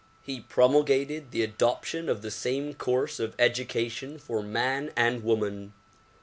He promulgated the adoption of the same course of education for man and woman.